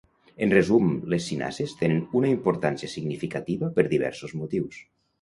En resum, les cinases tenen una importància significativa per diversos motius.